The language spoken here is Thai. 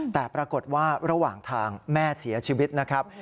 แต่ปรากฏว่าระหว่างทางแม่เสียชีวิตนะครับ